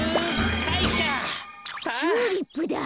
チューリップだ。